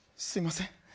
すいません。